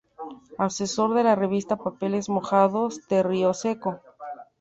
Asesor de la revista "Papeles Mojados de Río Seco".